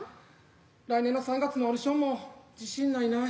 来年の３月のオーディションも自信ないな。